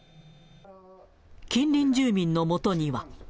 近隣住民の元には。